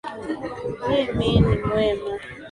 Mimi ni mwema